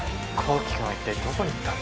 紘希君は一体どこに行ったんだ？